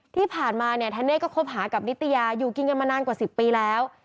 ที่ผ่านมาเนี่ยธเนธก็คบหากับนิตยาอยู่กินกันมานานกว่า๑๐ปีแล้ว